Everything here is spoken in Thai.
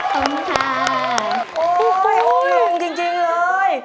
เลยแล้วก็กระทะ